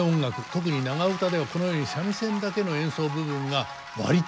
特に長唄ではこのように三味線だけの演奏部分が割とありましてですね